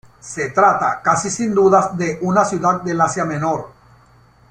Se trata, casi sin dudas, de una ciudad del Asia Menor.